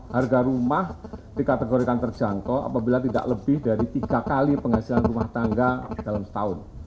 harga rumah dikategorikan terjangkau apabila tidak lebih dari tiga kali penghasilan rumah tangga dalam setahun